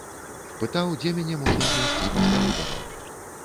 Пытаў, дзе мяне можна знайсці пасля выбараў.